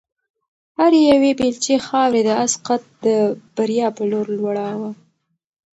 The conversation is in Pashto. هرې یوې بیلچې خاورې د آس قد د بریا په لور لوړاوه.